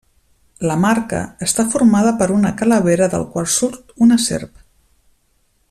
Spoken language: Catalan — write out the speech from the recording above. La Marca està formada per una calavera del qual surt una serp.